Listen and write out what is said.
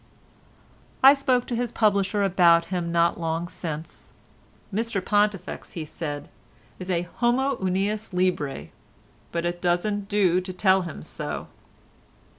I spoke to his publisher about him not long since. "Mr Pontifex," he said, "is a homo unius libri, but it doesn't do to tell him so."